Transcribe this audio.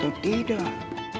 masuk atau tidak